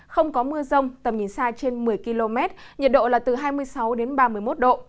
không có mưa rông tầm nhìn xa trên một mươi km nhiệt độ là từ hai mươi sáu đến ba mươi một độ